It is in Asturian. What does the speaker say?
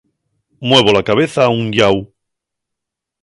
Muevo la cabeza a un llau.